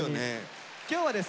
今日はですね